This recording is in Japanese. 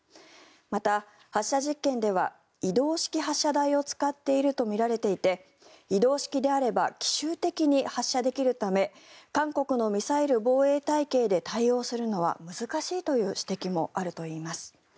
また、発射実験では移動式発射台を使っているとみられていて移動式であれば奇襲的に発射できるため韓国のミサイル防衛体系で対応するのは難しいという指摘もあるといいます。